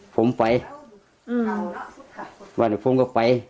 ผมไปวันที่ผมก็ไป